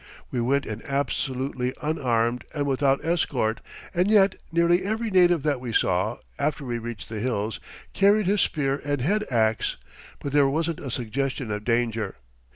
We went in absolutely unarmed and without escort, and yet nearly every native that we saw, after we reached the hills, carried his spear and head ax; but there wasn't a suggestion of danger.